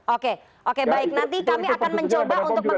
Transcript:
oke baik nanti kami akan mencoba untuk mengonfirmasi